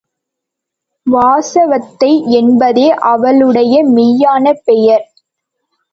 வாசவதத்தை என்பதே அவளுடைய மெய்யான பெயர்!